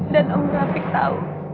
dan om rafiq tahu